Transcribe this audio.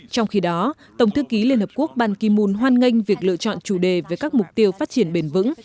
trong khi đó tổng thư ký liên hợp quốc ban kim mun hoan nghênh việc lựa chọn chủ đề về các mục tiêu phát triển bền vững